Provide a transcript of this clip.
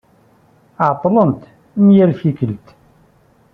Ɛeṭṭlent, am yal tikelt.